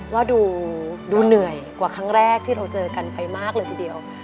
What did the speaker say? ว่าดูเหนื่อยกว่าครั้งแรกที่เราเจอกันไปมากเลยทีเดียว